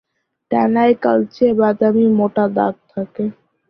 ডানায় কালচে-বাদামি মোটা দাগ থাকে।